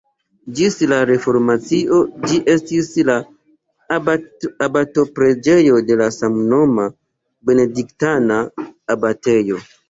Ĝis la reformacio ĝi estis la abato-preĝejo de la samnoma benediktana abatejo.